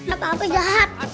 apa apa jahat